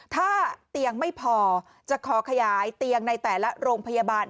ถ้าเตียงไม่พอจะขอขยายเตียงในแต่ละโรงพยาบาล